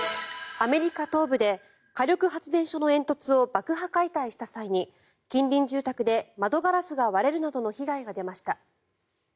アメリカ東部で火力発電所の煙突を爆破解体した際に近隣住宅で窓ガラスが割れるなどの被害が出ました。